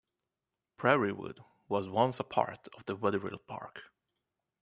Prairiewood was once a part of Wetherill Park.